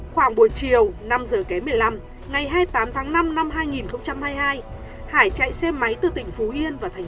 khoảng buổi chiều năm giờ ké một mươi năm ngày hai mươi tám tháng năm năm hai nghìn hai mươi hai hải chạy xe máy từ tỉnh phú yên vào thành